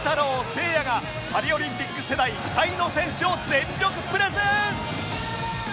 せいやがパリオリンピック世代期待の選手を全力プレゼン！